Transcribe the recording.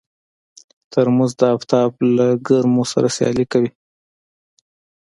ترموز د افتاب له ګرمو سره سیالي کوي.